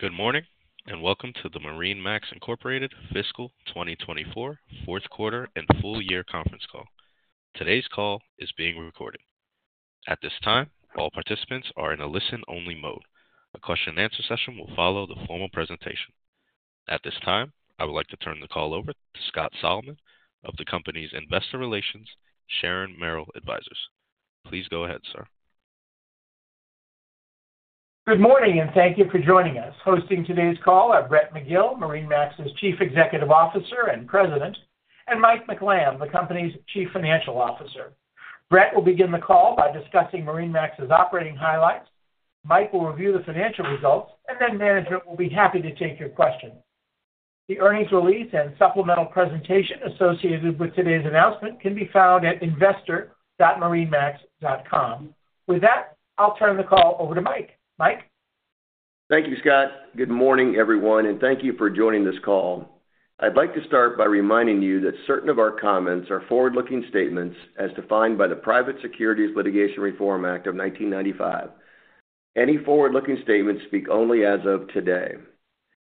Good morning and welcome to the MarineMax Incorporated fiscal 2024 fourth quarter and full year conference call. Today's call is being recorded. At this time, all participants are in a listen-only mode. A question-and-answer session will follow the formal presentation. At this time, I would like to turn the call over to Scott Solomon of the company's Investor Relations, Sharon Merrill Advisors. Please go ahead, sir. Good morning and thank you for joining us. Hosting today's call are Brett McGill, MarineMax's Chief Executive Officer and President, and Mike McLamb, the company's Chief Financial Officer. Brett will begin the call by discussing MarineMax's operating highlights. Mike will review the financial results, and then management will be happy to take your questions. The earnings release and supplemental presentation associated with today's announcement can be found at investor.marinemax.com. With that, I'll turn the call over to Mike. Mike. Thank you, Scott. Good morning, everyone, and thank you for joining this call. I'd like to start by reminding you that certain of our comments are forward-looking statements as defined by the Private Securities Litigation Reform Act of 1995. Any forward-looking statements speak only as of today.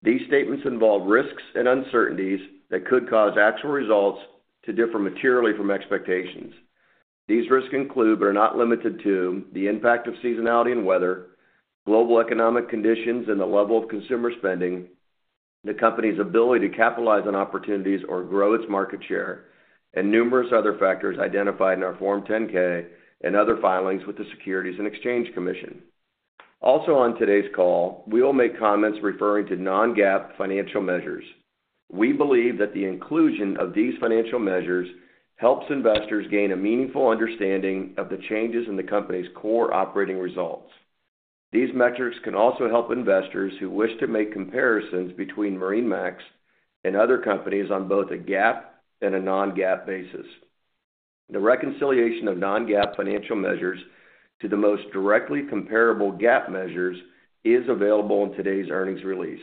These statements involve risks and uncertainties that could cause actual results to differ materially from expectations. These risks include, but are not limited to, the impact of seasonality and weather, global economic conditions and the level of consumer spending, the company's ability to capitalize on opportunities or grow its market share, and numerous other factors identified in our Form 10-K and other filings with the Securities and Exchange Commission. Also, on today's call, we will make comments referring to non-GAAP financial measures. We believe that the inclusion of these financial measures helps investors gain a meaningful understanding of the changes in the company's core operating results. These metrics can also help investors who wish to make comparisons between MarineMax and other companies on both a GAAP and a non-GAAP basis. The reconciliation of non-GAAP financial measures to the most directly comparable GAAP measures is available in today's earnings release.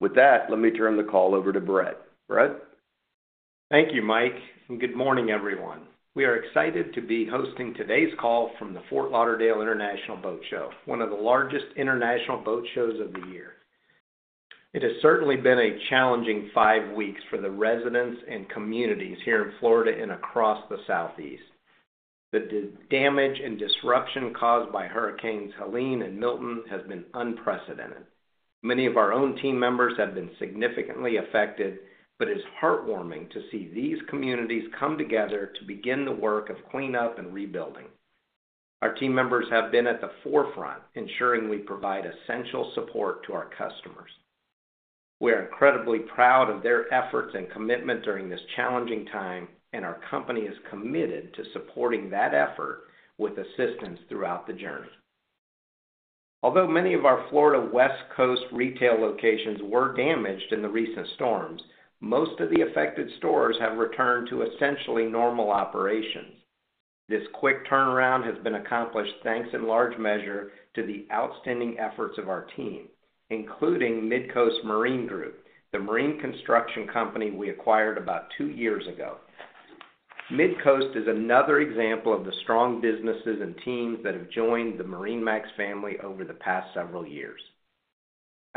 With that, let me turn the call over to Brett. Brett. Thank you, Mike, and good morning, everyone. We are excited to be hosting today's call from the Fort Lauderdale International Boat Show, one of the largest international boat shows of the year. It has certainly been a challenging five weeks for the residents and communities here in Florida and across the Southeast. The damage and disruption caused by Hurricanes Helene and Milton has been unprecedented. Many of our own team members have been significantly affected, but it is heartwarming to see these communities come together to begin the work of cleanup and rebuilding. Our team members have been at the forefront, ensuring we provide essential support to our customers. We are incredibly proud of their efforts and commitment during this challenging time, and our company is committed to supporting that effort with assistance throughout the journey. Although many of our Florida West Coast retail locations were damaged in the recent storms, most of the affected stores have returned to essentially normal operations. This quick turnaround has been accomplished thanks in large measure to the outstanding efforts of our team, including Midcoast Marine Group, the marine construction company we acquired about two years ago. Midcoast is another example of the strong businesses and teams that have joined the MarineMax family over the past several years.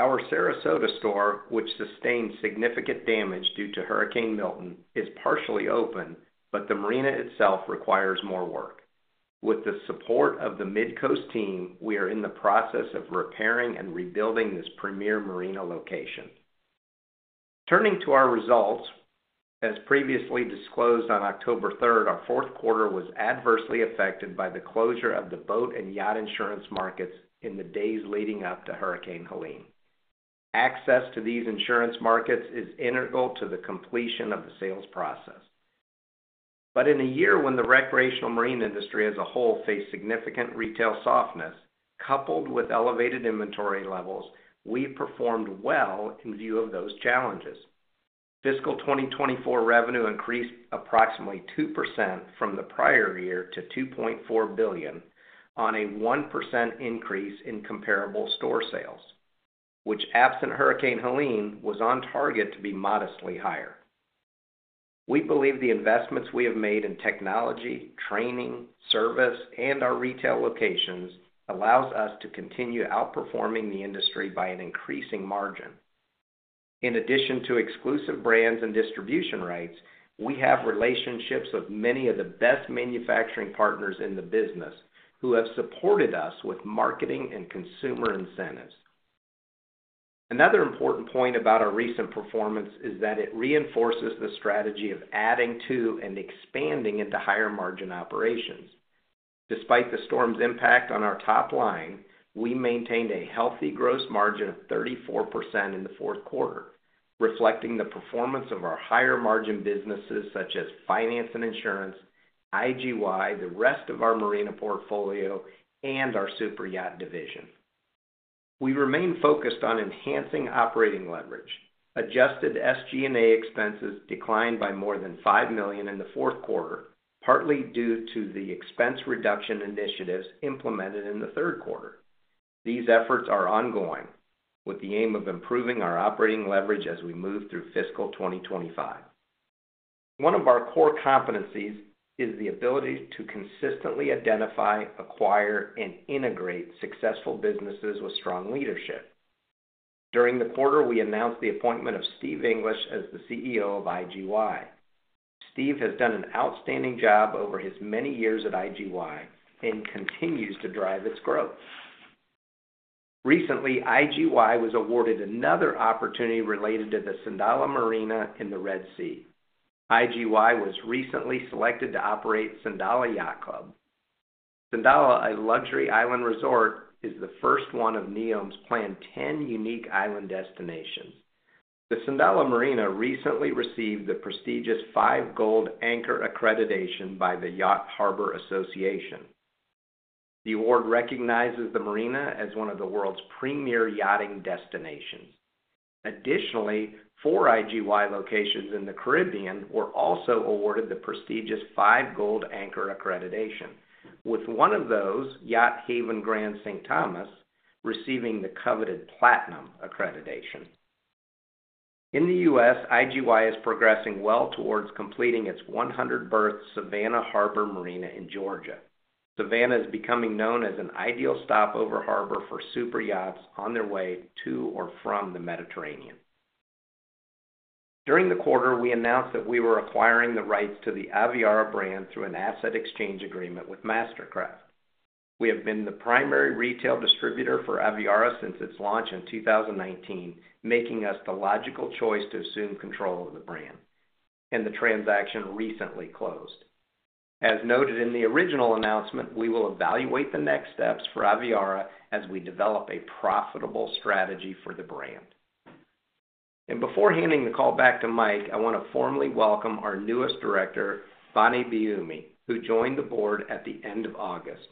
Our Sarasota store, which sustained significant damage due to Hurricane Milton, is partially open, but the marina itself requires more work. With the support of the Midcoast team, we are in the process of repairing and rebuilding this premier marina location. Turning to our results, as previously disclosed on October 3rd, our fourth quarter was adversely affected by the closure of the boat and yacht insurance markets in the days leading up to Hurricane Helene. Access to these insurance markets is integral to the completion of the sales process. But in a year when the recreational marine industry as a whole faced significant retail softness, coupled with elevated inventory levels, we performed well in view of those challenges. Fiscal 2024 revenue increased approximately 2% from the prior year to $2.4 billion on a 1% increase in comparable store sales, which, absent Hurricane Helene, was on target to be modestly higher. We believe the investments we have made in technology, training, service, and our retail locations allow us to continue outperforming the industry by an increasing margin. In addition to exclusive brands and distribution rights, we have relationships with many of the best manufacturing partners in the business who have supported us with marketing and consumer incentives. Another important point about our recent performance is that it reinforces the strategy of adding to and expanding into higher margin operations. Despite the storm's impact on our top line, we maintained a healthy gross margin of 34% in the fourth quarter, reflecting the performance of our higher margin businesses such as finance and insurance, IGY, the rest of our marina portfolio, and our superyacht division. We remain focused on enhancing operating leverage. Adjusted SG&A expenses declined by more than $5 million in the fourth quarter, partly due to the expense reduction initiatives implemented in the third quarter. These efforts are ongoing, with the aim of improving our operating leverage as we move through fiscal 2025. One of our core competencies is the ability to consistently identify, acquire, and integrate successful businesses with strong leadership. During the quarter, we announced the appointment of Steve English as the CEO of IGY. Steve has done an outstanding job over his many years at IGY and continues to drive its growth. Recently, IGY was awarded another opportunity related to the Sindalah Marina in the Red Sea. IGY was recently selected to operate Sindalah Yacht Club. Sindalah, a luxury island resort, is the first one of NEOM's planned 10 unique island destinations. The Sindalah Marina recently received the prestigious Five Gold Anchor accreditation by the Yacht Harbour Association. The award recognizes the marina as one of the world's premier yachting destinations. Additionally, four IGY locations in the Caribbean were also awarded the prestigious Five Gold Anchor accreditation, with one of those, Yacht Haven Grande St. Thomas, receiving the coveted Platinum accreditation. In the U.S., IGY is progressing well towards completing its 100-berth Savannah Harbor Marina in Georgia. Savannah is becoming known as an ideal stopover harbor for superyachts on their way to or from the Mediterranean. During the quarter, we announced that we were acquiring the rights to the Aviara brand through an asset exchange agreement with MasterCraft. We have been the primary retail distributor for Aviara since its launch in 2019, making us the logical choice to assume control of the brand, and the transaction recently closed. As noted in the original announcement, we will evaluate the next steps for Aviara as we develop a profitable strategy for the brand. Before handing the call back to Mike, I want to formally welcome our newest director, Bonnie Biumi, who joined the board at the end of August.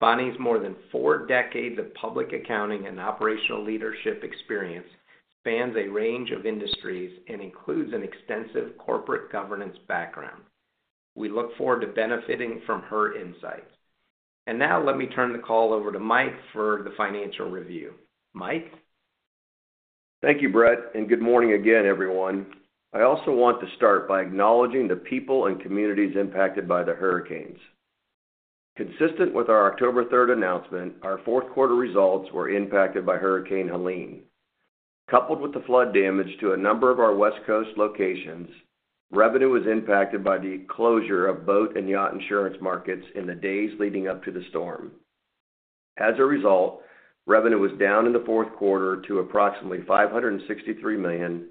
Bonnie's more than four decades of public accounting and operational leadership experience spans a range of industries and includes an extensive corporate governance background. We look forward to benefiting from her insights. And now, let me turn the call over to Mike for the financial review. Mike. Thank you, Brett, and good morning again, everyone. I also want to start by acknowledging the people and communities impacted by the hurricanes. Consistent with our October 3rd announcement, our fourth quarter results were impacted by Hurricane Helene. Coupled with the flood damage to a number of our West Coast locations, revenue was impacted by the closure of boat and yacht insurance markets in the days leading up to the storm. As a result, revenue was down in the fourth quarter to approximately $563 million,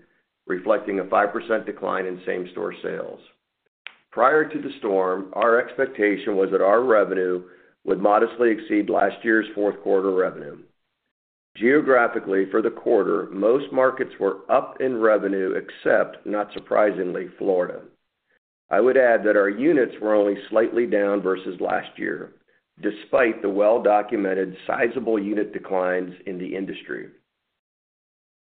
reflecting a 5% decline in same-store sales. Prior to the storm, our expectation was that our revenue would modestly exceed last year's fourth quarter revenue. Geographically, for the quarter, most markets were up in revenue except, not surprisingly, Florida. I would add that our units were only slightly down versus last year, despite the well-documented sizable unit declines in the industry.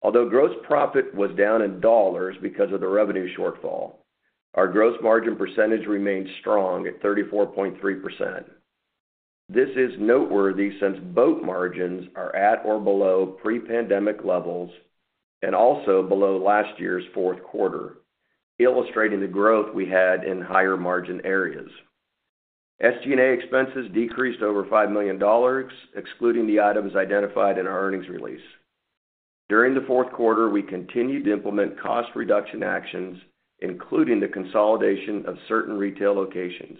Although gross profit was down in dollars because of the revenue shortfall, our gross margin percentage remained strong at 34.3%. This is noteworthy since boat margins are at or below pre-pandemic levels and also below last year's fourth quarter, illustrating the growth we had in higher margin areas. SG&A expenses decreased over $5 million, excluding the items identified in our earnings release. During the fourth quarter, we continued to implement cost reduction actions, including the consolidation of certain retail locations.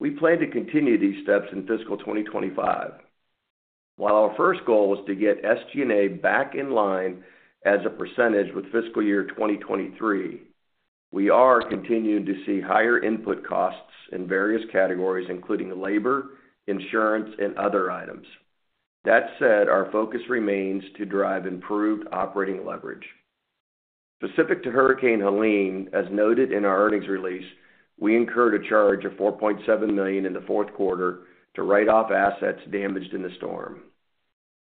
We plan to continue these steps in fiscal 2025. While our first goal was to get SG&A back in line as a percentage with fiscal year 2023, we are continuing to see higher input costs in various categories, including labor, insurance, and other items. That said, our focus remains to drive improved operating leverage. Specific to Hurricane Helene, as noted in our earnings release, we incurred a charge of $4.7 million in the fourth quarter to write off assets damaged in the storm.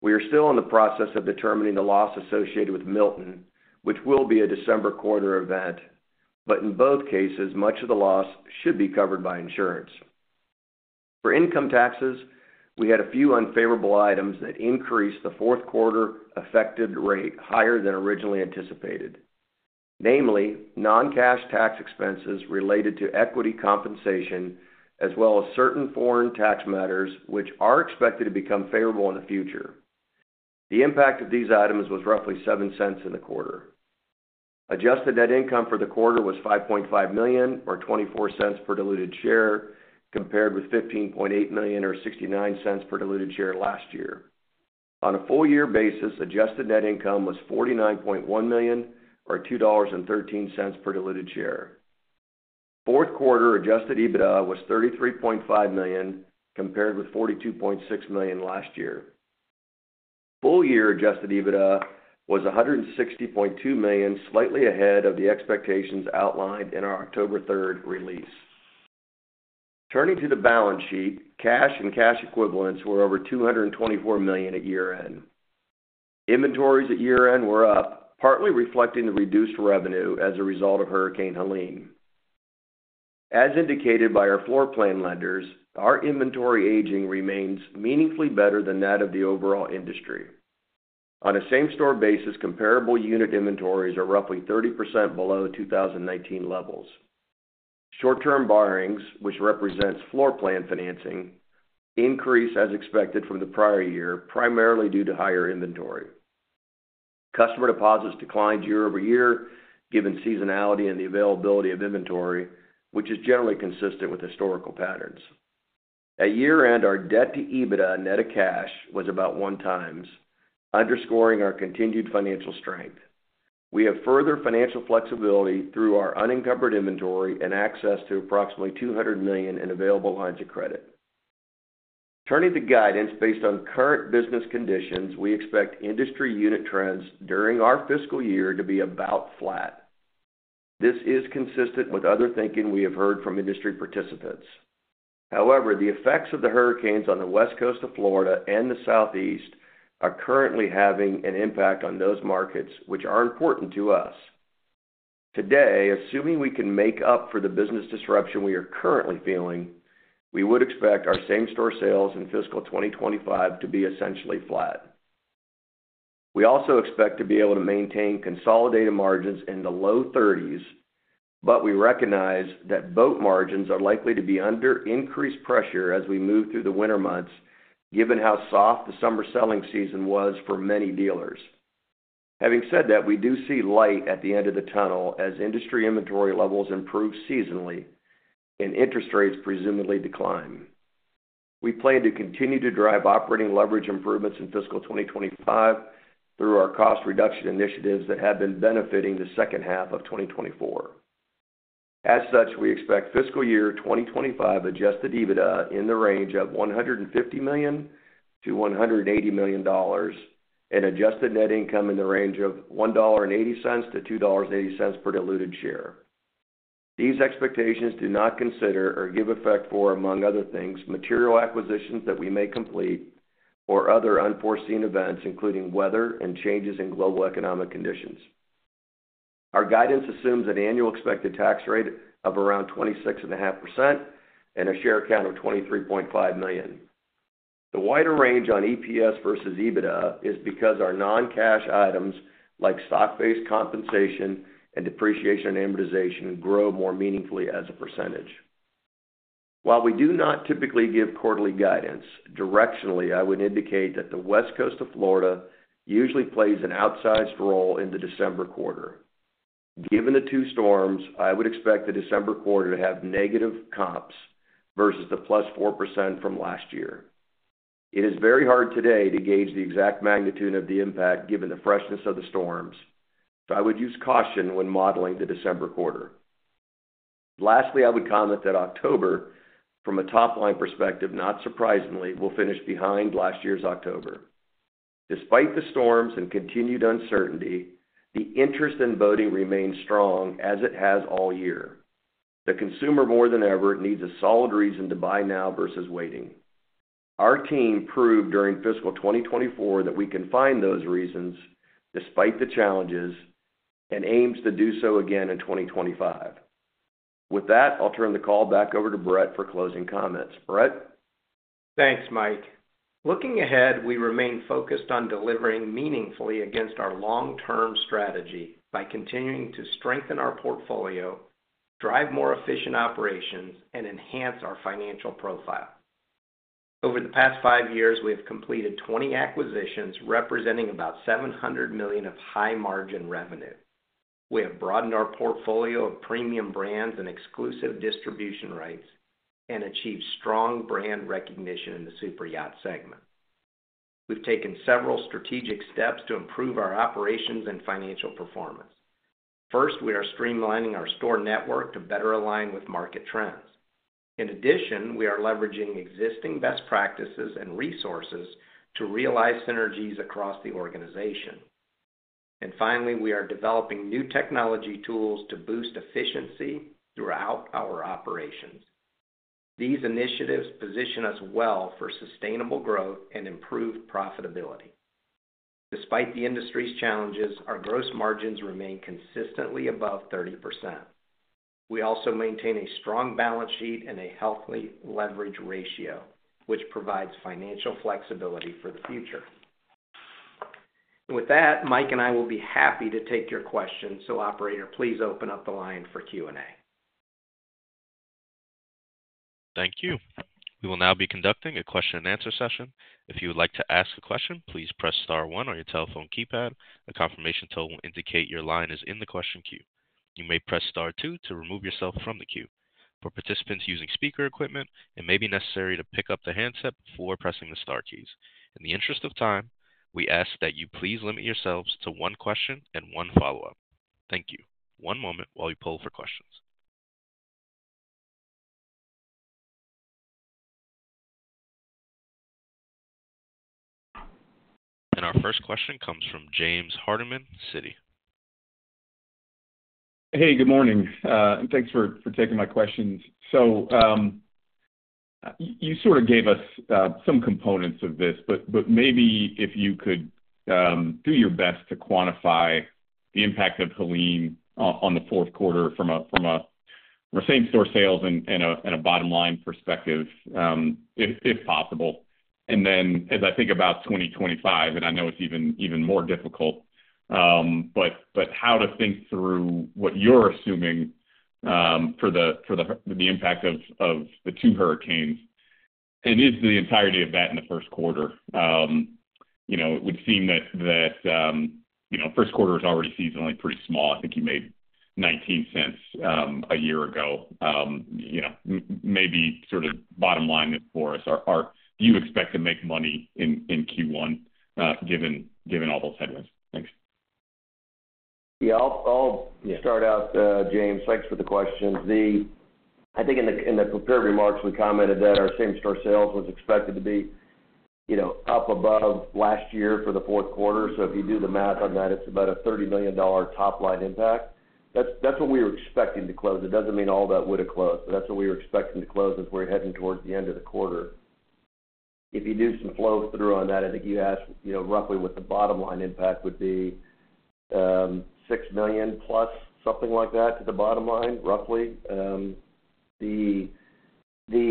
We are still in the process of determining the loss associated with Milton, which will be a December quarter event, but in both cases, much of the loss should be covered by insurance. For income taxes, we had a few unfavorable items that increased the fourth quarter effective rate higher than originally anticipated, namely non-cash tax expenses related to equity compensation, as well as certain foreign tax matters which are expected to become favorable in the future. The impact of these items was roughly $0.07 in the quarter. Adjusted net income for the quarter was $5.5 million, or $0.24 per diluted share, compared with $15.8 million, or $0.69 per diluted share last year. On a full-year basis, adjusted net income was $49.1 million, or $2.13 per diluted share. Fourth quarter adjusted EBITDA was $33.5 million, compared with $42.6 million last year. Full-year adjusted EBITDA was $160.2 million, slightly ahead of the expectations outlined in our October 3rd release. Turning to the balance sheet, cash and cash equivalents were over $224 million at year-end. Inventories at year-end were up, partly reflecting the reduced revenue as a result of Hurricane Helene. As indicated by our floor plan lenders, our inventory aging remains meaningfully better than that of the overall industry. On a same-store basis, comparable unit inventories are roughly 30% below 2019 levels. Short-term borrowings, which represents floor plan financing, increased as expected from the prior year, primarily due to higher inventory. Customer deposits declined year over year, given seasonality and the availability of inventory, which is generally consistent with historical patterns. At year-end, our debt-to-EBITDA net of cash was about one times, underscoring our continued financial strength. We have further financial flexibility through our unencumbered inventory and access to approximately $200 million in available lines of credit. Turning to guidance based on current business conditions, we expect industry unit trends during our fiscal year to be about flat. This is consistent with other thinking we have heard from industry participants. However, the effects of the hurricanes on the West Coast of Florida and the Southeast are currently having an impact on those markets, which are important to us. Today, assuming we can make up for the business disruption we are currently feeling, we would expect our same-store sales in fiscal 2025 to be essentially flat. We also expect to be able to maintain consolidated margins in the low 30s, but we recognize that boat margins are likely to be under increased pressure as we move through the winter months, given how soft the summer selling season was for many dealers. Having said that, we do see light at the end of the tunnel as industry inventory levels improve seasonally and interest rates presumably decline. We plan to continue to drive operating leverage improvements in fiscal 2025 through our cost reduction initiatives that have been benefiting the second half of 2024. As such, we expect fiscal year 2025 Adjusted EBITDA in the range of $150 million-$180 million and Adjusted Net Income in the range of $1.80-$2.80 per diluted share. These expectations do not consider or give effect for, among other things, material acquisitions that we may complete or other unforeseen events, including weather and changes in global economic conditions. Our guidance assumes an annual expected tax rate of around 26.5% and a share count of 23.5 million. The wider range on EPS versus EBITDA is because our non-cash items like stock-based compensation and depreciation and amortization grow more meaningfully as a percentage. While we do not typically give quarterly guidance, directionally, I would indicate that the West Coast of Florida usually plays an outsized role in the December quarter. Given the two storms, I would expect the December quarter to have negative comps versus the +4% from last year. It is very hard today to gauge the exact magnitude of the impact given the freshness of the storms, so I would use caution when modeling the December quarter. Lastly, I would comment that October, from a top-line perspective, not surprisingly, will finish behind last year's October. Despite the storms and continued uncertainty, the interest in boating remains strong as it has all year. The consumer, more than ever, needs a solid reason to buy now versus waiting. Our team proved during fiscal 2024 that we can find those reasons despite the challenges and aims to do so again in fiscal 2025. With that, I'll turn the call back over to Brett for closing comments. Brett? Thanks, Mike. Looking ahead, we remain focused on delivering meaningfully against our long-term strategy by continuing to strengthen our portfolio, drive more efficient operations, and enhance our financial profile. Over the past five years, we have completed 20 acquisitions, representing about $700 million of high-margin revenue. We have broadened our portfolio of premium brands and exclusive distribution rights and achieved strong brand recognition in the superyacht segment. We've taken several strategic steps to improve our operations and financial performance. First, we are streamlining our store network to better align with market trends. In addition, we are leveraging existing best practices and resources to realize synergies across the organization. And finally, we are developing new technology tools to boost efficiency throughout our operations. These initiatives position us well for sustainable growth and improved profitability. Despite the industry's challenges, our gross margins remain consistently above 30%. We also maintain a strong balance sheet and a healthy leverage ratio, which provides financial flexibility for the future. With that, Mike and I will be happy to take your questions. So, operator, please open up the line for Q&A. Thank you. We will now be conducting a question-and-answer session. If you would like to ask a question, please press star one on your telephone keypad. A confirmation tool will indicate your line is in the question queue. You may press star two to remove yourself from the queue. For participants using speaker equipment, it may be necessary to pick up the handset before pressing the star keys. In the interest of time, we ask that you please limit yourselves to one question and one follow-up. Thank you. One moment while we pull for questions. And our first question comes from James Hardiman, Citi. Hey, good morning. And thanks for taking my questions. So you sort of gave us some components of this, but maybe if you could do your best to quantify the impact of Helene on the fourth quarter from a same-store sales and a bottom-line perspective, if possible. And then as I think about 2025, and I know it's even more difficult, but how to think through what you're assuming for the impact of the two hurricanes and is the entirety of that in the first quarter. It would seem that first quarter is already seasonally pretty small. I think you made $0.19 a year ago. Maybe sort of bottom line for us, do you expect to make money in Q1 given all those headwinds? Thanks. Yeah, I'll start out, James. Thanks for the questions. I think in the prepared remarks, we commented that our same-store sales was expected to be up above last year for the fourth quarter. So if you do the math on that, it's about a $30 million top-line impact. That's what we were expecting to close. It doesn't mean all that would have closed, but that's what we were expecting to close as we're heading towards the end of the quarter. If you do some flow through on that, I think you asked roughly what the bottom-line impact would be, $6 million+ something like that to the bottom line, roughly.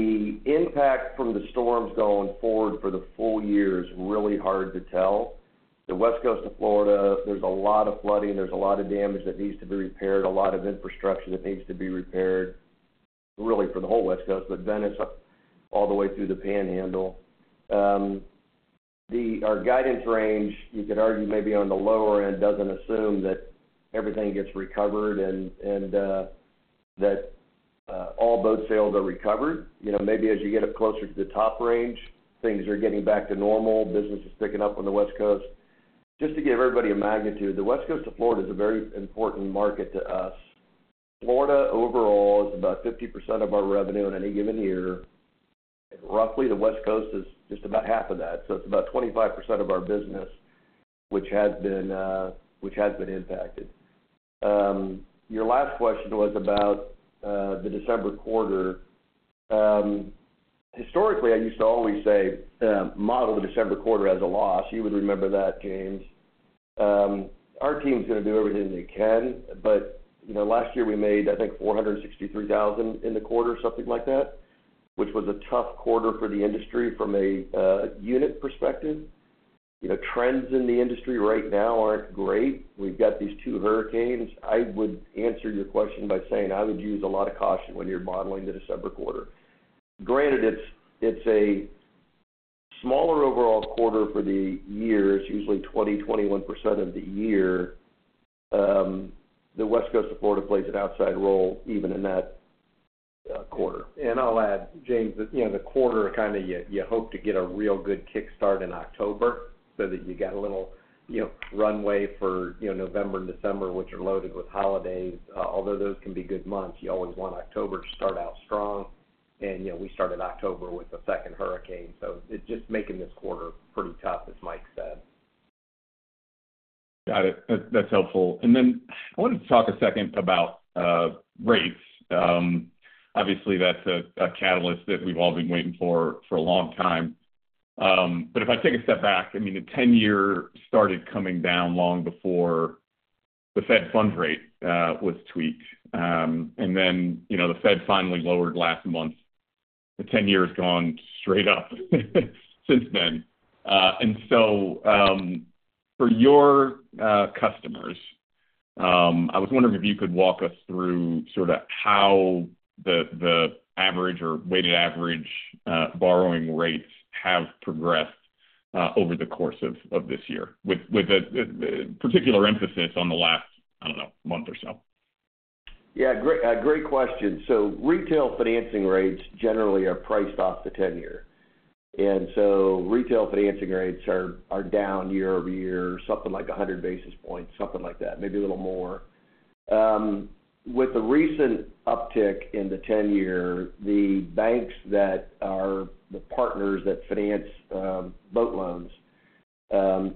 The impact from the storms going forward for the full year is really hard to tell. The West Coast of Florida, there's a lot of flooding. There's a lot of damage that needs to be repaired, a lot of infrastructure that needs to be repaired, really for the whole West Coast, but Venice all the way through the Panhandle. Our guidance range, you could argue maybe on the lower end, doesn't assume that everything gets recovered and that all boat sales are recovered. Maybe as you get up closer to the top range, things are getting back to normal, business is picking up on the West Coast. Just to give everybody a magnitude, the West Coast of Florida is a very important market to us. Florida overall is about 50% of our revenue in any given year. Roughly, the West Coast is just about half of that. So it's about 25% of our business which has been impacted. Your last question was about the December quarter. Historically, I used to always say model the December quarter as a loss. You would remember that, James. Our team's going to do everything they can, but last year we made, I think, $463,000 in the quarter, something like that, which was a tough quarter for the industry from a unit perspective. Trends in the industry right now aren't great. We've got these two hurricanes. I would answer your question by saying I would use a lot of caution when you're modeling the December quarter. Granted, it's a smaller overall quarter for the year, it's usually 20%-21% of the year. The West Coast of Florida plays an outsized role even in that quarter, and I'll add, James, the quarter kind of you hope to get a real good kickstart in October so that you got a little runway for November and December, which are loaded with holidays. Although those can be good months, you always want October to start out strong. And we started October with the second hurricane. So it's just making this quarter pretty tough, as Mike said. Got it. That's helpful, and then I wanted to talk a second about rates. Obviously, that's a catalyst that we've all been waiting for a long time, but if I take a step back, I mean, the 10-year started coming down long before the Fed funds rate was tweaked, and then the Fed finally lowered last month. The 10-year has gone straight up since then, and so for your customers, I was wondering if you could walk us through sort of how the average or weighted average borrowing rates have progressed over the course of this year, with particular emphasis on the last, I don't know, month or so. Yeah, great question. So retail financing rates generally are priced off the 10-year. And so retail financing rates are down year over year, something like 100 basis points, something like that, maybe a little more. With the recent uptick in the 10-year, the banks that are the partners that finance boat loans,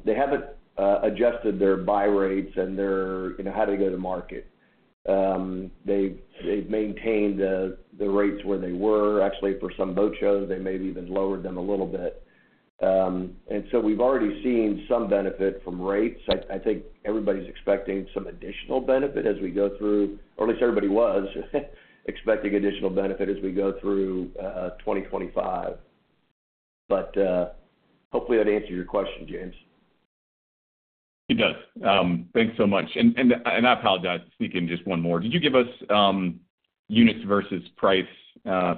they haven't adjusted their buy rates and how they go to market. They've maintained the rates where they were. Actually, for some boat shows, they may have even lowered them a little bit. And so we've already seen some benefit from rates. I think everybody's expecting some additional benefit as we go through, or at least everybody was expecting additional benefit as we go through 2025. But hopefully, that answers your question, James. It does. Thanks so much. And I apologize, speaking just one more. Did you give us units versus price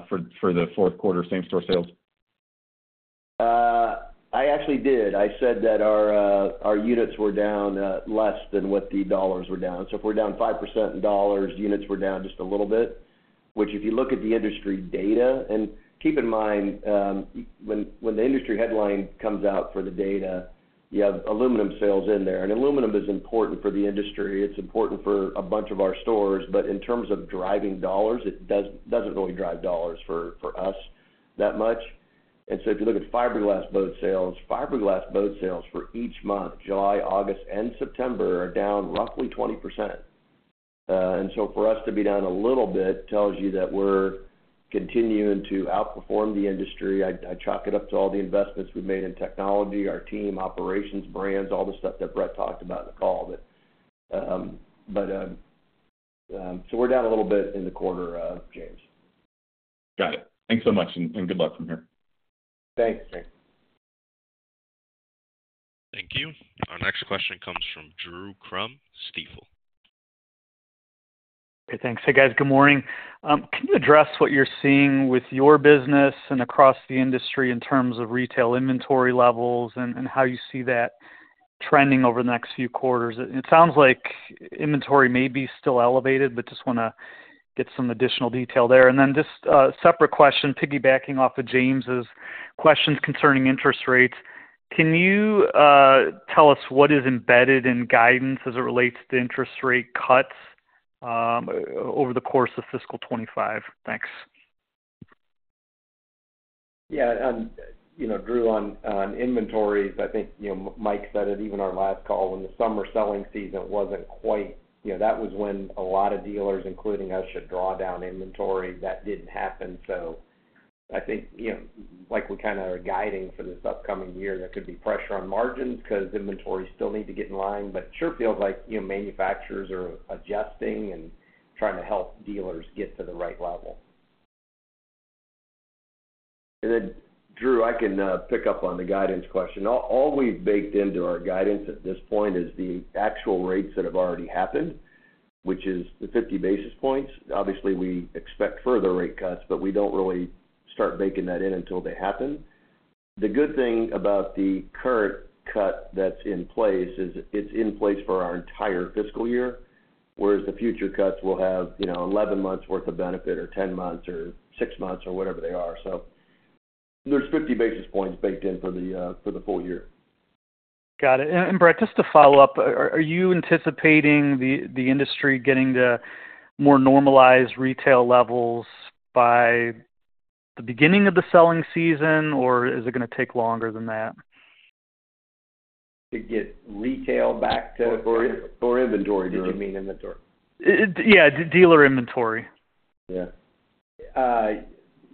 for the fourth quarter same-store sales? I actually did. I said that our units were down less than what the dollars were down. So if we're down 5% in dollars, units were down just a little bit, which if you look at the industry data and keep in mind when the industry headline comes out for the data, you have aluminum sales in there. And aluminum is important for the industry. It's important for a bunch of our stores. But in terms of driving dollars, it doesn't really drive dollars for us that much. And so if you look at fiberglass boat sales, fiberglass boat sales for each month, July, August, and September, are down roughly 20%. And so for us to be down a little bit tells you that we're continuing to outperform the industry. I chalk it up to all the investments we've made in technology, our team, operations, brands, all the stuff that Brett talked about in the call. But so we're down a little bit in the quarter, James. Got it. Thanks so much and good luck from here. Thanks, James. Thank you. Our next question comes from Drew Crum at Stifel. Okay, thanks. Hey, guys, good morning. Can you address what you're seeing with your business and across the industry in terms of retail inventory levels and how you see that trending over the next few quarters? It sounds like inventory may be still elevated but just want to get some additional detail there. And then just a separate question, piggybacking off of James's questions concerning interest rates. Can you tell us what is embedded in guidance as it relates to interest rate cuts over the course of fiscal 2025? Thanks. Yeah. Drew, on inventories, I think Mike said it even on our last call, when the summer selling season wasn't quite there. That was when a lot of dealers, including us, should draw down inventory. That didn't happen. So I think like we kind of are guiding for this upcoming year, there could be pressure on margins because inventory still needs to get in line. But it sure feels like manufacturers are adjusting and trying to help dealers get to the right level. And then, Drew, I can pick up on the guidance question. All we've baked into our guidance at this point is the actual rates that have already happened, which is the 50 basis points. Obviously, we expect further rate cuts, but we don't really start baking that in until they happen. The good thing about the current cut that's in place is it's in place for our entire fiscal year, whereas the future cuts will have 11 months' worth of benefit or 10 months or 6 months or whatever they are. So there's 50 basis points baked in for the full year. Got it. And Brett, just to follow up, are you anticipating the industry getting to more normalized retail levels by the beginning of the selling season, or is it going to take longer than that? To get retail back to. For inventory. Did you mean inventory? Yeah, dealer inventory. Yeah.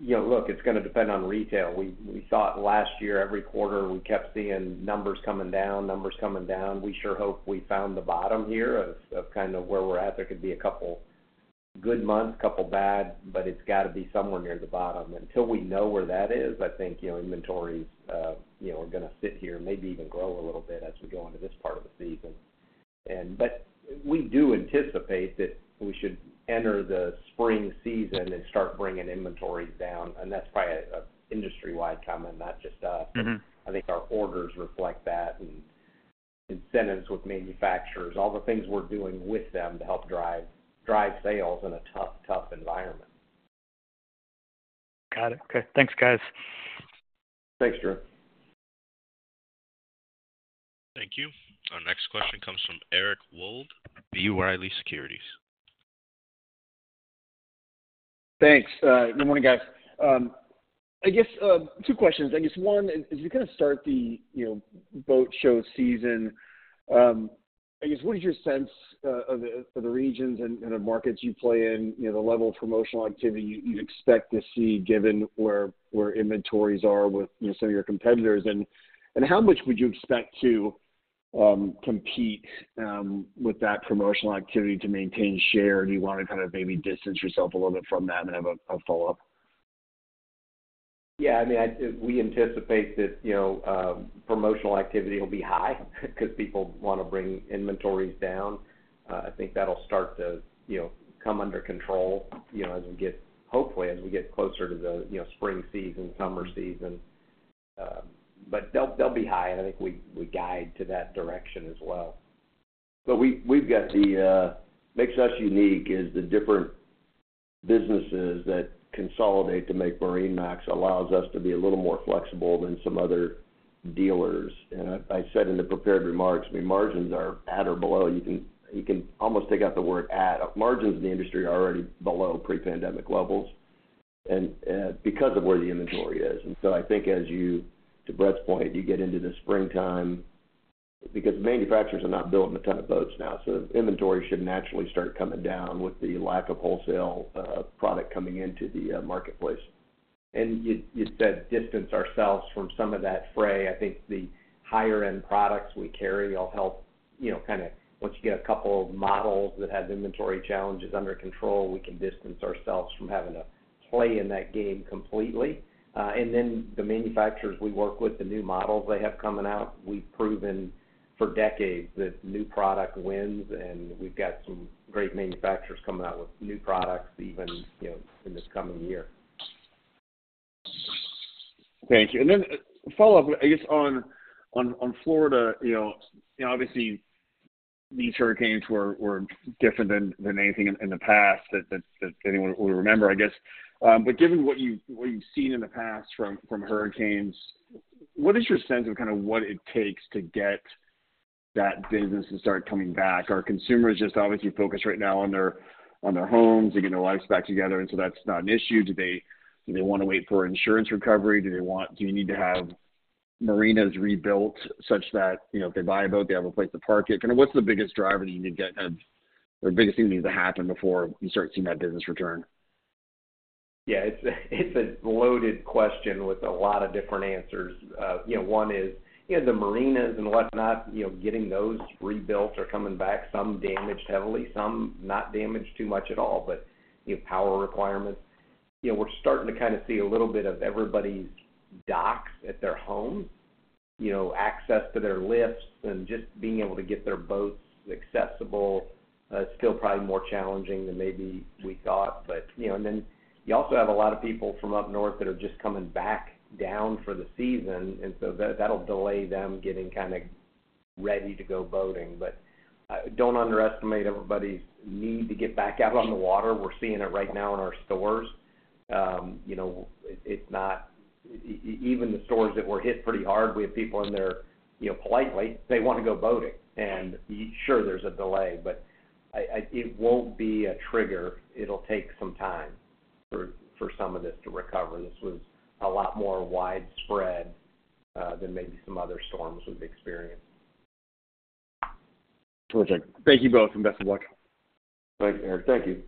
Look, it's going to depend on retail. We saw it last year. Every quarter, we kept seeing numbers coming down, numbers coming down. We sure hope we found the bottom here of kind of where we're at. There could be a couple good months, a couple bad, but it's got to be somewhere near the bottom. Until we know where that is, I think inventories are going to sit here, maybe even grow a little bit as we go into this part of the season. But we do anticipate that we should enter the spring season and start bringing inventories down. And that's probably an industry-wide comment, not just us. I think our orders reflect that and incentives with manufacturers, all the things we're doing with them to help drive sales in a tough, tough environment. Got it. Okay. Thanks, guys. Thanks, Drew. Thank you. Our next question comes from Eric Wold, B. Riley Securities. Thanks. Good morning, guys. I guess two questions. I guess one, as you kind of start the boat show season, I guess what is your sense of the regions and the markets you play in, the level of promotional activity you'd expect to see given where inventories are with some of your competitors? And how much would you expect to compete with that promotional activity to maintain share? Do you want to kind of maybe distance yourself a little bit from that and have a follow-up? Yeah. I mean, we anticipate that promotional activity will be high because people want to bring inventories down. I think that'll start to come under control hopefully as we get closer to the spring season, summer season. But they'll be high, and I think we guide to that direction as well. But what makes us unique is the different businesses that consolidate to make MarineMax allows us to be a little more flexible than some other dealers. And I said in the prepared remarks, I mean, margins are at or below. You can almost take out the word at. Margins in the industry are already below pre-pandemic levels because of where the inventory is. And so I think as you, to Brett's point, you get into the springtime because manufacturers are not building a ton of boats now. So inventory should naturally start coming down with the lack of wholesale product coming into the marketplace. And you said distance ourselves from some of that fray. I think the higher-end products we carry will help kind of once you get a couple of models that have inventory challenges under control, we can distance ourselves from having to play in that game completely. And then the manufacturers we work with, the new models they have coming out, we've proven for decades that new product wins. And we've got some great manufacturers coming out with new products even in this coming year. Thank you. Then follow-up, I guess, on Florida. Obviously, these hurricanes were different than anything in the past that anyone would remember, I guess. Given what you've seen in the past from hurricanes, what is your sense of kind of what it takes to get that business to start coming back? Are consumers just obviously focused right now on their homes and getting their lives back together, and so that's not an issue? Do they want to wait for insurance recovery? Do you need to have marinas rebuilt such that if they buy a boat, they have a place to park it? Kind of what's the biggest driver that you need to get or biggest thing that needs to happen before you start seeing that business return? Yeah. It's a loaded question with a lot of different answers. One is the marinas and whatnot, getting those rebuilt or coming back, some damaged heavily, some not damaged too much at all, but power requirements. We're starting to kind of see a little bit of everybody's docks at their homes, access to their lifts, and just being able to get their boats accessible is still probably more challenging than maybe we thought. But then you also have a lot of people from up north that are just coming back down for the season, and so that'll delay them getting kind of ready to go boating. But don't underestimate everybody's need to get back out on the water. We're seeing it right now in our stores. Even the stores that were hit pretty hard, we have people in there politely. They want to go boating. Sure, there's a delay, but it won't be a trigger. It'll take some time for some of this to recover. This was a lot more widespread than maybe some other storms we've experienced. Terrific. Thank you both, and best of luck. Thanks, Eric. Thank you.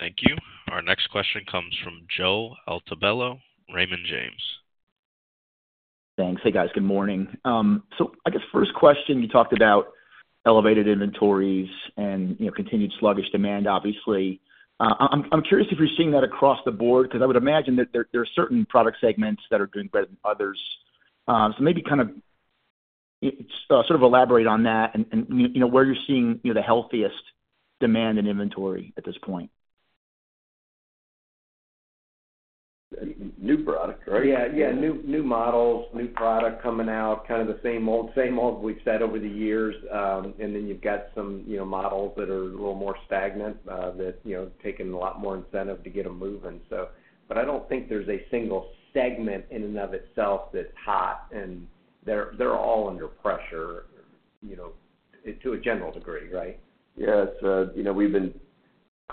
Thank you. Our next question comes from Joe Altobello, Raymond James. Thanks. Hey, guys. Good morning. So I guess first question, you talked about elevated inventories and continued sluggish demand, obviously. I'm curious if you're seeing that across the board because I would imagine that there are certain product segments that are doing better than others. So maybe kind of sort of elaborate on that and where you're seeing the healthiest demand and inventory at this point. New product, right? Yeah. Yeah. New models, new product coming out, kind of the same old, same old we've said over the years. And then you've got some models that are a little more stagnant that are taking a lot more incentive to get them moving. But I don't think there's a single segment in and of itself that's hot, and they're all under pressure to a general degree, right? Yeah. We've been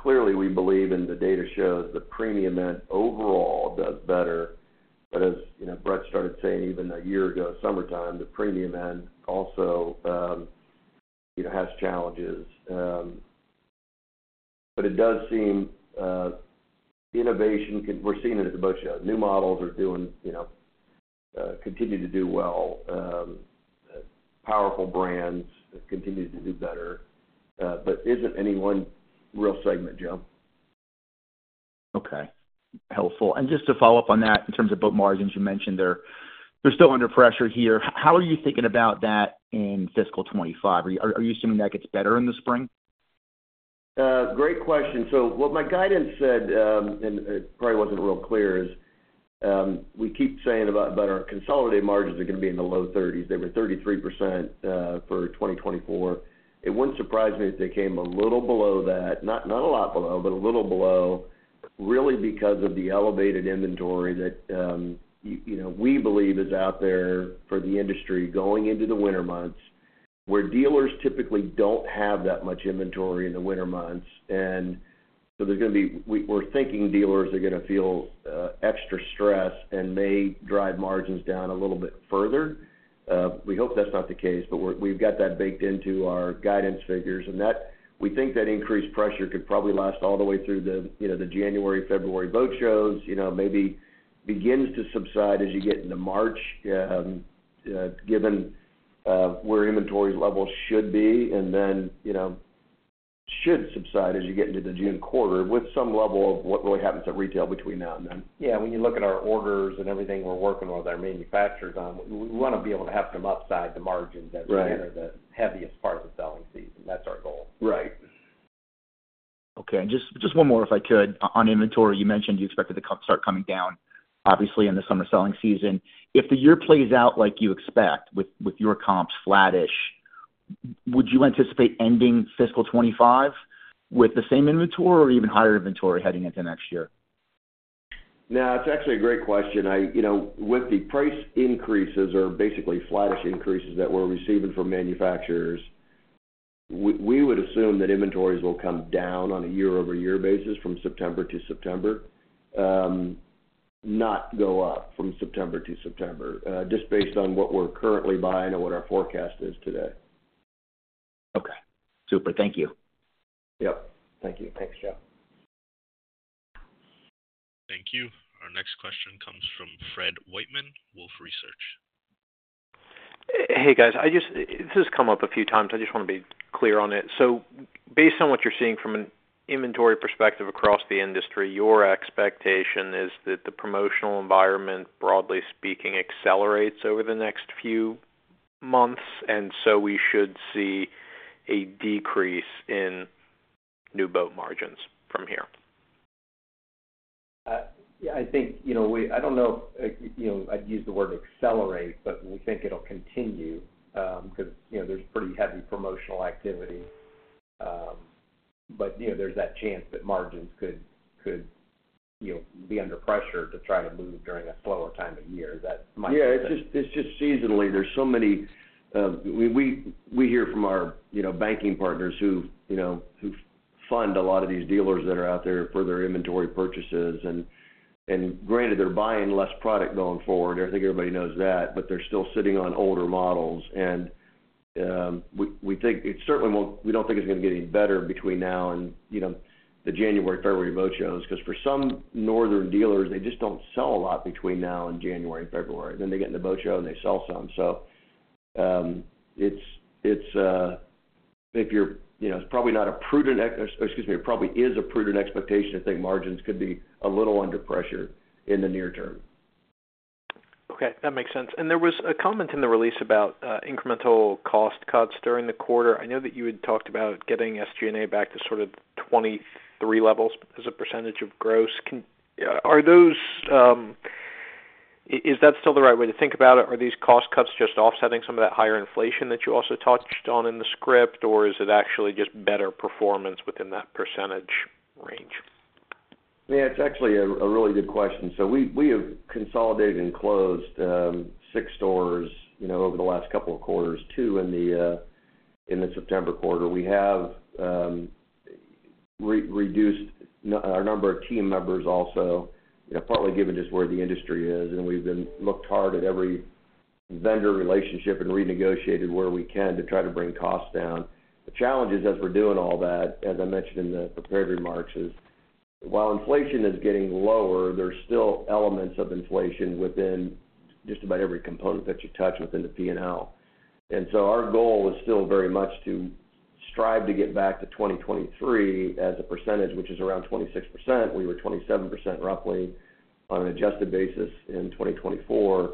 clear, we believe the data shows the premium end overall does better. But as Brett started saying even a year ago, summertime, the premium end also has challenges. But it does seem innovation we're seeing it as a bunch of new models are continuing to do well. Powerful brands continue to do better. But it's not any one real segment, Joe? Okay. Helpful. And just to follow up on that, in terms of boat margins, you mentioned they're still under pressure here. How are you thinking about that in fiscal 2025? Are you assuming that gets better in the spring? Great question. So what my guidance said, and it probably wasn't real clear, is we keep saying about our consolidated margins are going to be in the low 30s. They were 33% for 2024. It wouldn't surprise me if they came a little below that, not a lot below, but a little below, really because of the elevated inventory that we believe is out there for the industry going into the winter months, where dealers typically don't have that much inventory in the winter months. And so there's going to be we're thinking dealers are going to feel extra stress and may drive margins down a little bit further. We hope that's not the case, but we've got that baked into our guidance figures. We think that increased pressure could probably last all the way through the January, February boat shows, maybe begins to subside as you get into March, given where inventory levels should be, and then should subside as you get into the June quarter with some level of what really happens at retail between now and then. Yeah. When you look at our orders and everything we're working with our manufacturers on, we want to be able to have them upside the margins at the end of the heaviest part of the selling season. That's our goal. Right. Okay. And just one more, if I could. On inventory, you mentioned you expected to start coming down, obviously, in the summer selling season. If the year plays out like you expect with your comps flattish, would you anticipate ending fiscal 2025 with the same inventory or even higher inventory heading into next year? No, it's actually a great question. With the price increases or basically flattish increases that we're receiving from manufacturers, we would assume that inventories will come down on a year-over-year basis from September to September, not go up from September to September, just based on what we're currently buying and what our forecast is today. Okay. Super. Thank you. Yep. Thank you. Thanks, Joe. Thank you. Our next question comes from Fred Wightman, Wolfe Research. Hey, guys. This has come up a few times. I just want to be clear on it. So based on what you're seeing from an inventory perspective across the industry, your expectation is that the promotional environment, broadly speaking, accelerates over the next few months. And so we should see a decrease in new boat margins from here. Yeah. I think I don't know if I'd use the word accelerate, but we think it'll continue because there's pretty heavy promotional activity. But there's that chance that margins could be under pressure to try to move during a slower time of year. That might. Yeah. It's just seasonally. There's so many we hear from our banking partners who fund a lot of these dealers that are out there for their inventory purchases. And granted, they're buying less product going forward. I think everybody knows that, but they're still sitting on older models. And we don't think it's going to get any better between now and the January, February boat shows because for some northern dealers, they just don't sell a lot between now and January and February. Then they get in the boat show and they sell some. Excuse me. It probably is a prudent expectation to think margins could be a little under pressure in the near term. Okay. That makes sense. And there was a comment in the release about incremental cost cuts during the quarter. I know that you had talked about getting SG&A back to sort of 2023 levels as a percentage of gross. Is that still the right way to think about it? Are these cost cuts just offsetting some of that higher inflation that you also touched on in the script, or is it actually just better performance within that percentage range? Yeah. It's actually a really good question. So we have consolidated and closed six stores over the last couple of quarters, two in the September quarter. We have reduced our number of team members also, partly given just where the industry is. And we've looked hard at every vendor relationship and renegotiated where we can to try to bring costs down. The challenge is, as we're doing all that, as I mentioned in the prepared remarks, is while inflation is getting lower, there's still elements of inflation within just about every component that you touch within the P&L. And so our goal is still very much to strive to get back to 2023 as a percentage, which is around 26%. We were 27% roughly on an adjusted basis in 2024.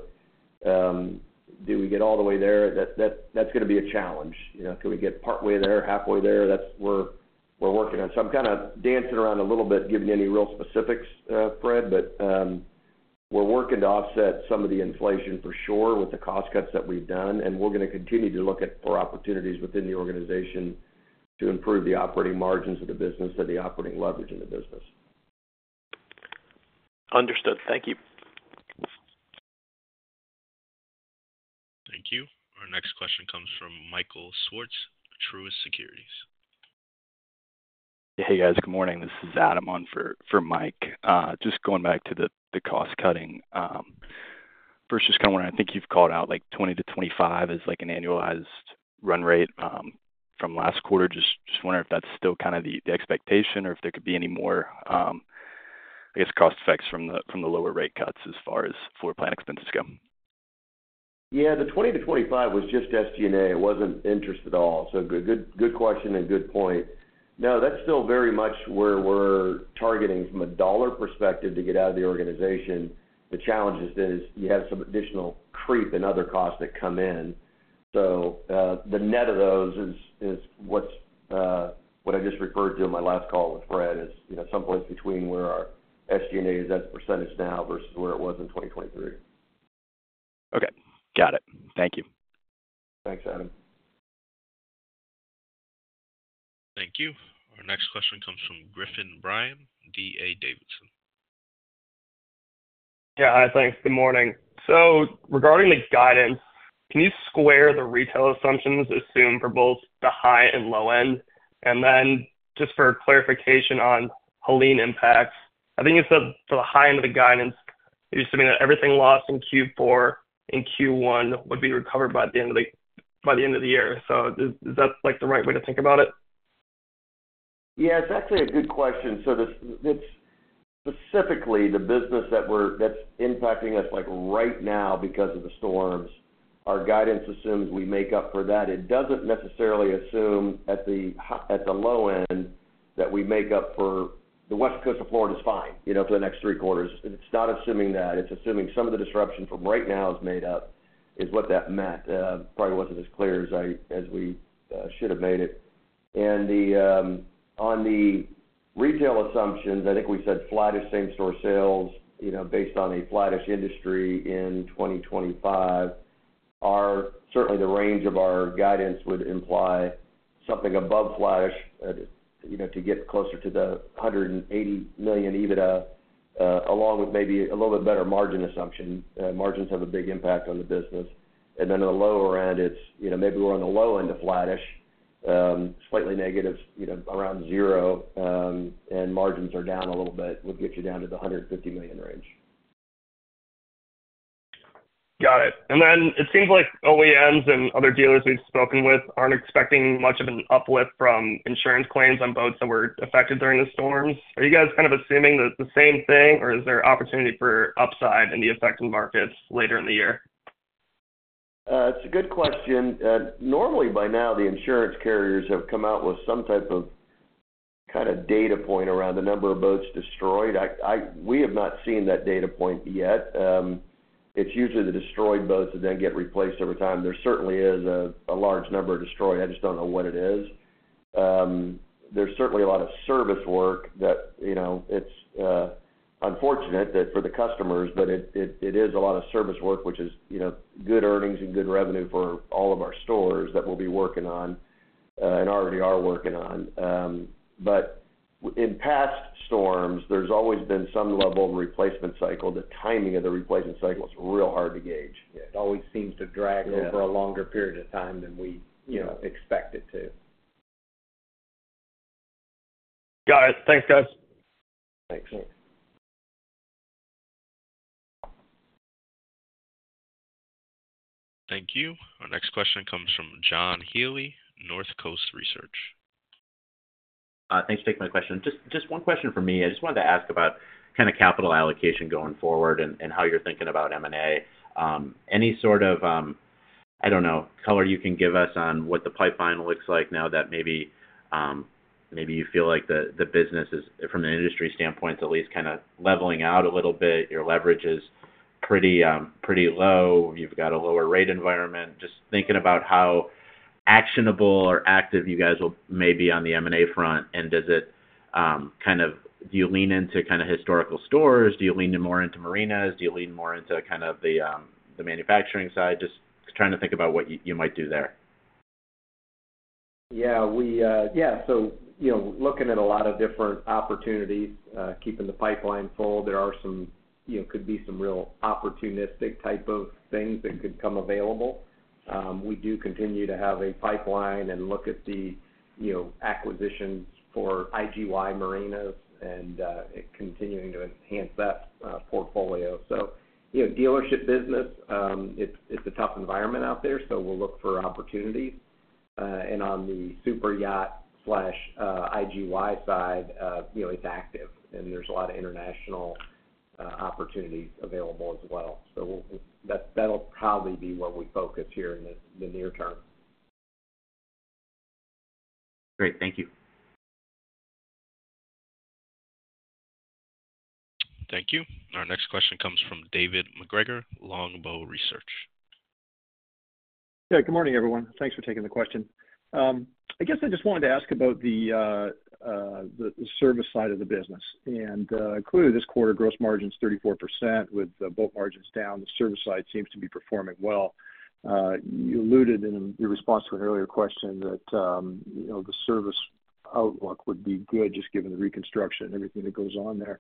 Do we get all the way there? That's going to be a challenge. Can we get partway there, halfway there? That's where we're working on. So I'm kind of dancing around a little bit, giving any real specifics, Fred, but we're working to offset some of the inflation for sure with the cost cuts that we've done. And we're going to continue to look for opportunities within the organization to improve the operating margins of the business, the operating leverage in the business. Understood. Thank you. Thank you. Our next question comes from Michael Swartz, Truist Securities. Hey, guys. Good morning. This is Adam on for Mike. Just going back to the cost cutting, first just kind of want to, I think you've called out like $20-$25 as an annualized run rate from last quarter. Just wondering if that's still kind of the expectation or if there could be any more, I guess, cost effects from the lower rate cuts as far as floor plan expenses go. Yeah. The $20-$25 was just SG&A. It wasn't interest at all. So good question and good point. No, that's still very much where we're targeting from a dollar perspective to get out of the organization. The challenge is that you have some additional creep and other costs that come in. So the net of those is what I just referred to in my last call with Fred, is someplace between where our SG&A is at percentage now versus where it was in 2023. Okay. Got it. Thank you. Thanks, Adam. Thank you. Our next question comes from Griffin Bryan, D.A. Davidson. Yeah. Hi, thanks. Good morning. So regarding the guidance, can you square the retail assumptions assumed for both the high and low end? And then just for clarification on Helene impacts, I think you said for the high end of the guidance, you're assuming that everything lost in Q4 and Q1 would be recovered by the end of the year. So is that the right way to think about it? Yeah. It's actually a good question, so specifically, the business that's impacting us right now because of the storms. Our guidance assumes we make up for that. It doesn't necessarily assume at the low end that we make up for. The West Coast of Florida is fine for the next three quarters. It's not assuming that. It's assuming some of the disruption from right now is made up, is what that meant. Probably wasn't as clear as we should have made it, and on the retail assumptions, I think we said flattish same-store sales based on a flattish industry in 2025. Certainly, the range of our guidance would imply something above flattish to get closer to the $180 million EBITDA, along with maybe a little bit better margin assumption. Margins have a big impact on the business. Then on the lower end, maybe we're on the low end of flattish, slightly negative, around zero, and margins are down a little bit, would get you down to the $150 million range. Got it. And then it seems like OEMs and other dealers we've spoken with aren't expecting much of an uplift from insurance claims on boats that were affected during the storms. Are you guys kind of assuming the same thing, or is there opportunity for upside in the affected markets later in the year? It's a good question. Normally, by now, the insurance carriers have come out with some type of kind of data point around the number of boats destroyed. We have not seen that data point yet. It's usually the destroyed boats that then get replaced over time. There certainly is a large number destroyed. I just don't know what it is. There's certainly a lot of service work that's unfortunate for the customers, but it is a lot of service work, which is good earnings and good revenue for all of our stores that we'll be working on and already are working on. But in past storms, there's always been some level of replacement cycle. The timing of the replacement cycle is real hard to gauge. It always seems to drag over a longer period of time than we expect it to. Got it. Thanks, guys. Thanks. Thank you. Our next question comes from John Healy, Northcoast Research. Thanks for taking my question. Just one question for me. I just wanted to ask about kind of capital allocation going forward and how you're thinking about M&A. Any sort of, I don't know, color you can give us on what the pipeline looks like now that maybe you feel like the business is, from an industry standpoint, at least kind of leveling out a little bit. Your leverage is pretty low. You've got a lower rate environment. Just thinking about how actionable or active you guys will maybe be on the M&A front, and does it kind of do you lean into kind of historical stores? Do you lean more into marinas? Do you lean more into kind of the manufacturing side? Just trying to think about what you might do there. Yeah. Yeah. So looking at a lot of different opportunities, keeping the pipeline full, there could be some real opportunistic type of things that could come available. We do continue to have a pipeline and look at the acquisitions for IGY Marinas and continuing to enhance that portfolio. So dealership business, it's a tough environment out there, so we'll look for opportunities. And on the superyacht/IGY side, it's active, and there's a lot of international opportunities available as well. So that'll probably be where we focus here in the near term. Great. Thank you. Thank you. Our next question comes from David MacGregor, Longbow Research. Yeah. Good morning, everyone. Thanks for taking the question. I guess I just wanted to ask about the service side of the business. And clearly, this quarter, gross margin's 34% with boat margins down. The service side seems to be performing well. You alluded in your response to an earlier question that the service outlook would be good just given the reconstruction and everything that goes on there.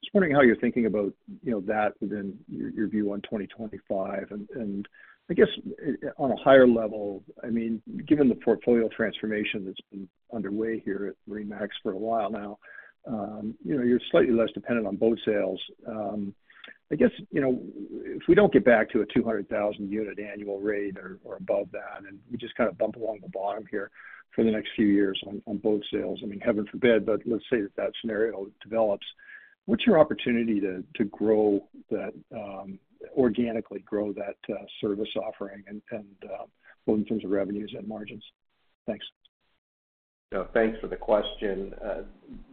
Just wondering how you're thinking about that within your view on 2025. And I guess on a higher level, I mean, given the portfolio transformation that's been underway here at MarineMax for a while now, you're slightly less dependent on boat sales. I guess if we don't get back to a 200,000 unit annual rate or above that, and we just kind of bump along the bottom here for the next few years on boat sales, I mean, heaven forbid, but let's say that that scenario develops, what's your opportunity to organically grow that service offering both in terms of revenues and margins? Thanks. So thanks for the question.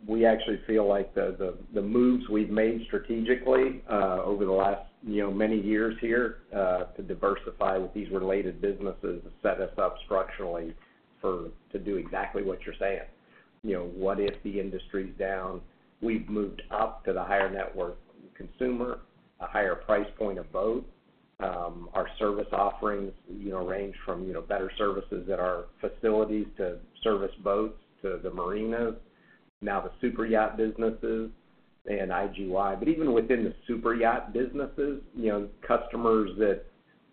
We actually feel like the moves we've made strategically over the last many years here to diversify with these related businesses set us up structurally to do exactly what you're saying. What if the industry's down? We've moved up to the higher net worth consumer, a higher price point of boat. Our service offerings range from better services at our facilities to service boats to the marinas, now the superyacht businesses and IGY. But even within the superyacht businesses, customers that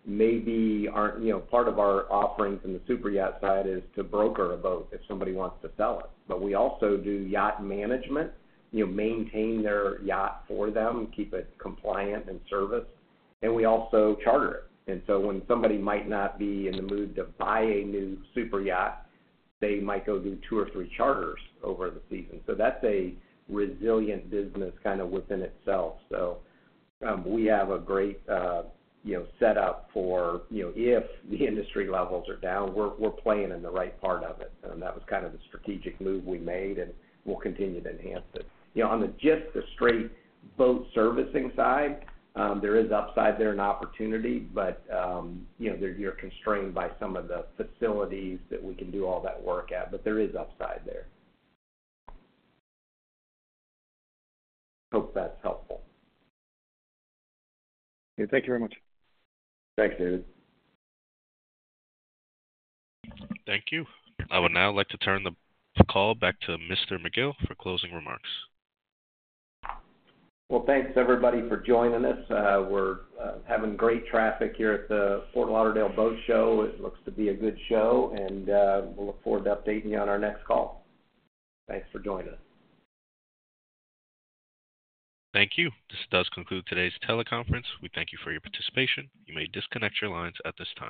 maybe aren't part of our offerings in the superyacht side is to broker a boat if somebody wants to sell it. But we also do yacht management, maintain their yacht for them, keep it compliant and serviced, and we also charter it. When somebody might not be in the mood to buy a new superyacht, they might go do two or three charters over the season. That's a resilient business kind of within itself. We have a great setup for if the industry levels are down, we're playing in the right part of it. That was kind of the strategic move we made, and we'll continue to enhance it. On just the straight boat servicing side, there is upside there and opportunity, but you're constrained by some of the facilities that we can do all that work at. There is upside there. Hope that's helpful. Yeah. Thank you very much. Thanks, David. Thank you. I would now like to turn the call back to Mr. McGill for closing remarks. Thanks, everybody, for joining us. We're having great traffic here at the Fort Lauderdale Boat Show. It looks to be a good show, and we'll look forward to updating you on our next call. Thanks for joining us. Thank you. This does conclude today's teleconference. We thank you for your participation. You may disconnect your lines at this time.